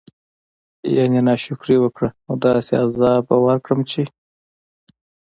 يعني نا شکري وکړه نو داسي عذاب به ورکړم چې